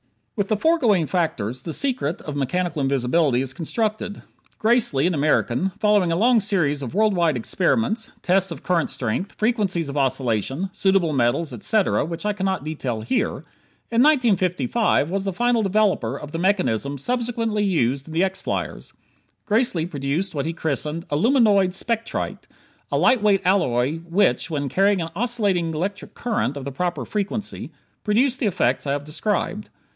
With the foregoing factors, the secret of mechanical invisibility is constructed. Gracely, an American following a long series of world wide experiments, tests of current strength, frequencies of oscillation, suitable metals, etc., which I cannot detail here in 1955 was the final developer of the mechanisms subsequently used in the X flyers. Gracely produced what he christened "aluminoid spectrite" a light weight alloy which, when carrying an oscillating electronic current of the proper frequency, produced the effects I have described.